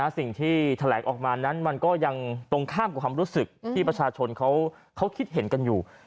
สิ่งที่แถลงออกมานั้นมันก็ยังตรงข้ามกับความรู้สึกที่ประชาชนเขาคิดเห็นกันอยู่